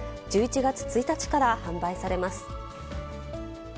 １１月１日から販売されます。